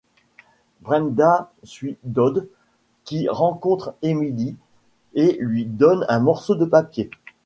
Brendan suit Dode, qui rencontre Emily et lui donne un morceau de papier.